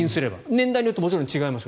年代によってもちろん違いますよ。